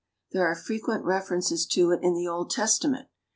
There are frequent references to it in the Old Testament.